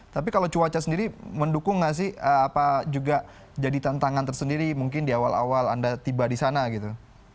tapi kalau cuaca sendiri mendukung nggak sih apa juga jadi tantangan tersendiri mungkin di awal awal anda tiba di sana gitu